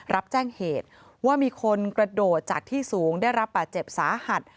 รับแจ้งเหตุว่ามีคนกระโดดจากที่สูงได้รับบาดเจ็บสาหัส